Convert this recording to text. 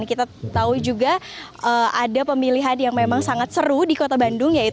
dan kita tahu juga ada pemilihan yang memang sangat seru di kota bandung